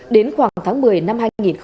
đến khoảng tháng một mươi năm hai nghìn hai mươi